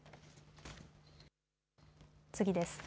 次です。